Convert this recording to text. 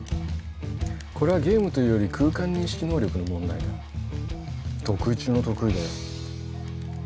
これはゲームというより空間認識能力の問題だ得意中の得意だよ